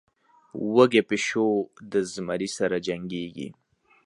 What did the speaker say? وږى پيشو د زمري سره جنکېږي.